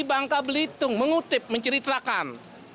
bangka belitung mengutip menceritakan